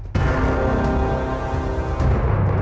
berarti kamu arguably sudah menyokong alam namanya